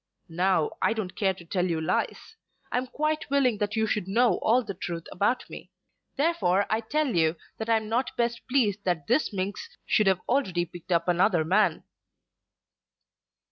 Now I don't care to tell you lies. I am quite willing that you should know all the truth about me. Therefore I tell you that I'm not best pleased that this minx should have already picked up another man."